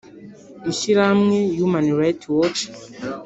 ishyirahamwe human rights watch